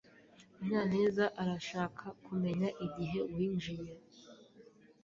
Munyanez arashaka kumenya igihe winjiye.